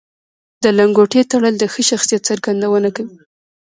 د لنګوټې تړل د ښه شخصیت څرګندونه کوي